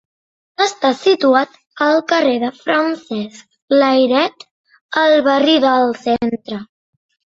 Està situat al carrer de Francesc Layret, al barri del Centre.